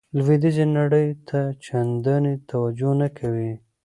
لویدیځې نړۍ ته چندانې توجه نه کوي.